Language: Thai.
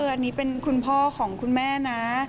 อันนี้เป็นคุณพ่อของคุณแม่นะ